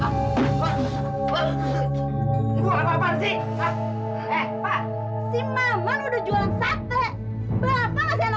si maman udah jualan sate